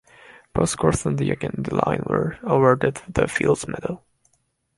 Both Grothendieck and Deligne were awarded the Fields medal.